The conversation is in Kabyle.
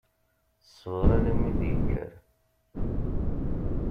Ssbeṛ alma i d-yekker.